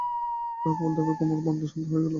অনেকক্ষণ বলতে বলতে কুমুর মন শান্ত হয়ে এল।